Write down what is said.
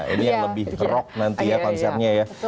ini yang lebih rock nanti ya konsernya ya